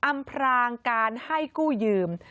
อำพรางการให้กู้ยืม